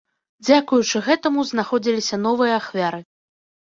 Дзякуючы гэтаму знаходзіліся новыя ахвяры.